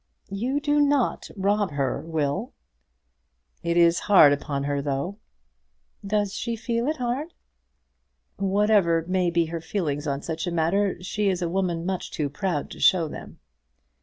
"You do not rob her, Will." "It is hard upon her, though." "Does she feel it hard?" "Whatever may be her feelings on such a matter, she is a woman much too proud to show them."